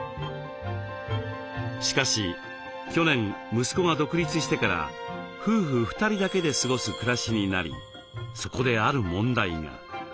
しかし去年息子が独立してから夫婦２人だけで過ごす暮らしになりそこである問題が。